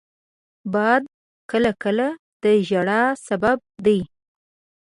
باد کله کله د ژړا سبب دی